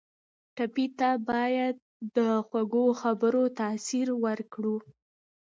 ټپي ته باید د خوږو خبرو تاثیر ورکړو.